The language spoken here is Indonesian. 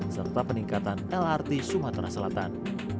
serta peningkatan lrt sumatera selatan